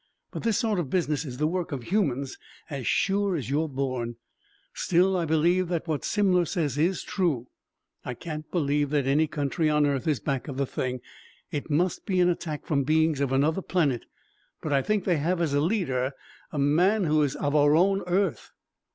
But this sort of business is the work of humans as sure as you're born. Still I believe that what Simler says is true. I can't believe that any country on earth is back of the thing. It must be an attack from beings of another planet, but I think they have as a leader a man who is of our own earth."